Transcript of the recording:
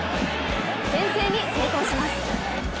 先制に成功します。